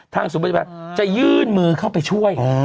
ศูนย์ปฏิบัติจะยื่นมือเข้าไปช่วย